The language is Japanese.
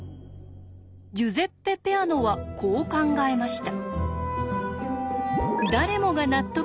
ジュゼッペ・ペアノはこう考えました。